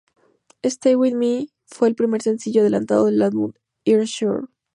Stay with Me fue el primer sencillo adelanto del álbum Erasure.